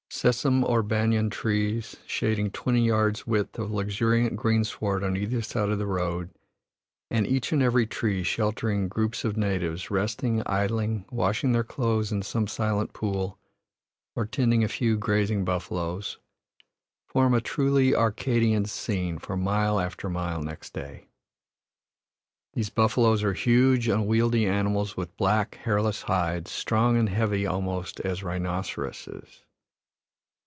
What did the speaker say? Seesum or banyan trees, shading twenty yards' width of luxuriant greensward on either side of the road, and each and every tree sheltering groups of natives, resting, idling, washing their clothes in some silent pool, or tending a few grazing buffaloes, form a truly Arcadian scene for mile after mile next day. These buffaloes are huge, unwieldy animals with black, hairless hides, strong and heavy almost as rhinoceroses.